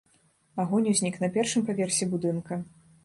Агонь узнік на першым паверсе будынка.